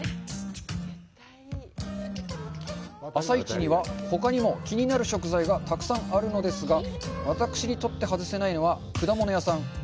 朝市には、ほかにも気になる食材がたくさんあるのですが、僕にとっての外せないのは果物屋さん。